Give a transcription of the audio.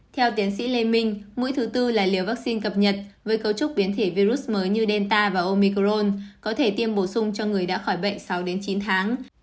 theo tiến sĩ lê minh mũi thứ tư là liều vaccine cập nhật với cấu trúc biến thể virus mới như delta và omicrone có thể tiêm bổ sung cho người đã khỏi bệnh sáu đến chín tháng